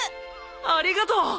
ありがとう！